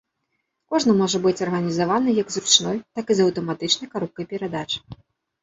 Кожны можа быць арганізавана як з ручной, так і з аўтаматычнай каробкай перадач.